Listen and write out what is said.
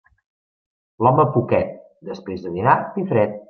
L'home poquet, després de dinat té fred.